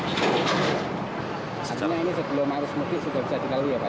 ini sebelum harus mungkin sudah bisa dikali ya pak